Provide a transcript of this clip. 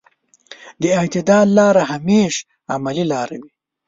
د اعتدال لاره همېش عملي لاره وي.